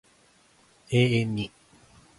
永遠に